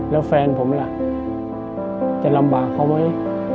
แล้วแฟนผมล่ะจะลำบากเขาไหม